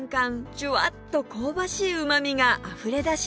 ジュワッと香ばしいうまみがあふれ出します！